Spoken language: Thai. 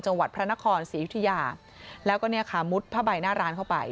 จังหวัดพระนครศรียุธยาแล้วก็เนี่ยค่ะมุดผ้าใบหน้าร้านเข้าไป